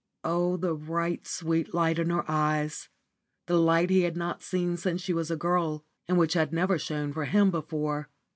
Oh, the bright, sweet light in her eyes! the light he had not seen since she was a girl, and which had never shone for him before.